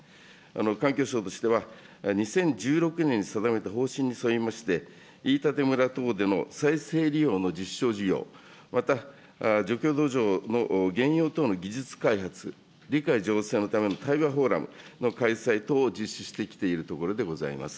環境省としては、２０１６年に定めた方針に沿いまして、飯舘村等での再生利用の実証利用、また、除去土壌のの技術開発、理解醸成のための対話フォーラムの開催等を実施してきているところでございます。